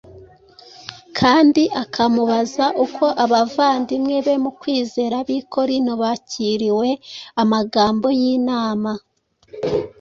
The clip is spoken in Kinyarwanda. kandi akamubaza uko abavandimwe be mu kwizera b’i Korinto bakiriwe amagambo y’inama